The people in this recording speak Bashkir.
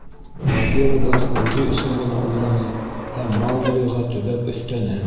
— Багира быны үҙе өсөн генә уйланы һәм Мауглиға төбәп өҫтәне: